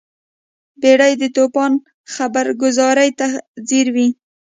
بیړۍ د توپان خبرګذارۍ ته ځیر وي.